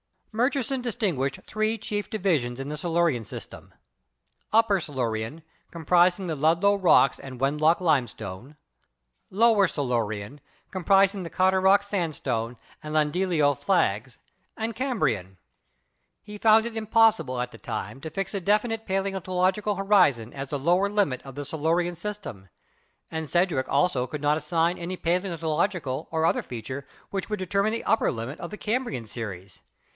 Murchison distinguished three chief divisions in the Silurian system: Upper Silurian, comprising the Ludlow Rocks and Wenlock Limestone; Lower Silurian, compris 76 GEOLOGY ing the Caradoc Sandstone and Llandeilo Flags ; and Cam brian. He found it impossible at the time to fix a definite paleontological horizon as the lower limit of the Silurian system, and Sedgwick also could not assign any paleonto logical or other feature which would determine the upper limit of the Cambrian series.